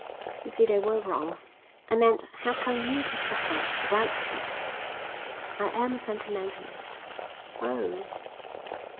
You see they were wrong." "I meant, how come you to settle down right here?" "I am a sentimentalist." "Oh!"